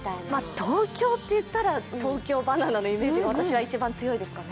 東京っていったら東京ばな菜のイメージが一番強いですかね。